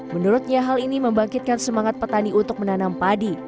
menurutnya hal ini membangkitkan semangat petani untuk menanam padi